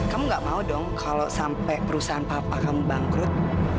kamu gak mau dong kalau sampai perusahaan papa kamu bangkrut